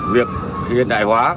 việc hiện đại hóa